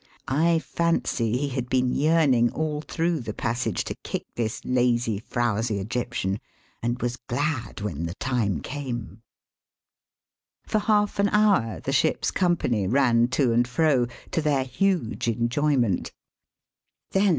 I fancy he had been yearning all through the passage to kick this lazy, frowsy Egyptian, and was glad when the time came. For half an hour the ship's company ran to and fro, to their huge enjoyment. Then Digitized by VjOOQIC 352 EAST BY WEST.